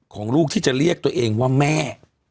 ของลูกที่จะเรียกตัวเองว่าแม่